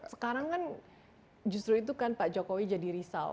sekarang kan justru itu kan pak jokowi jadi risau